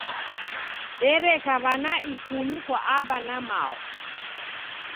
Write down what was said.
Dereka w'ana ikumi kwa Aba na Mao.